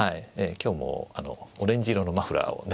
今日もあのオレンジ色のマフラーをね。